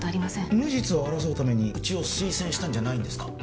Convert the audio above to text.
無実を争うためにうちを推薦したんじゃないんですか？